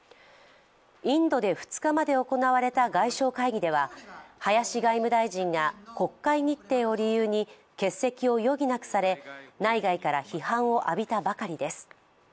インドで２日まで行われた外相会議では、林外務大臣が国会日程を理由に欠席を余儀なくされ内外から批判を浴びたばかりです。